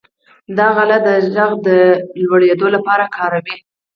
دا آله د غږ د لوړېدو لپاره کاروي.